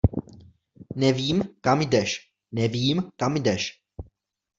Nevím, kam jdeš, nevím, kam jdeš.